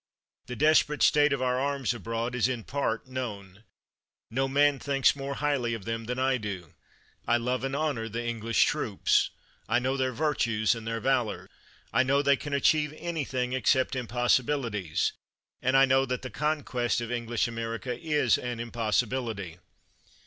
The desperate state of our arms abroad is in part known. No man thinks more highly of them than I do. I love and honor the English troops. I know their virtues and their valor. I know they can achieve any thing except impossibilities; and I know that the conquest of English America is an impossi bility.